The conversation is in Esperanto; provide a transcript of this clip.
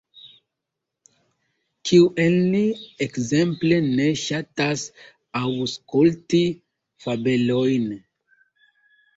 Kiu el ni ekzemple ne ŝatas aŭskulti fabelojn?